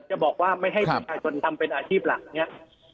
จะบอกว่าไม่ให้ประชาชนทำเป็นอาชีพหลักเนี่ย